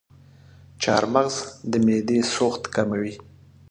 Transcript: چارمغز د معدې سوخت کموي.